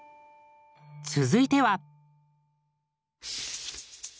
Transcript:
続いては。